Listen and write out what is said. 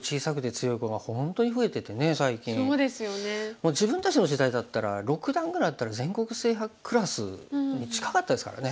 もう自分たちの時代だったら６段ぐらいあったら全国制覇クラスに近かったですからね。